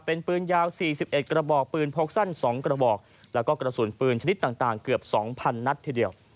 เป็นปืนยาว๔๑กระบอกปืนพกสั้น๒กระบอกแล้วก็กระสุนปืนชนิดต่างเกือบ๒๐๐นัดทีเดียว